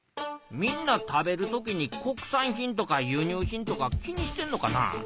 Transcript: みんな食べる時に国産品とか輸入品とか気にしてんのかな？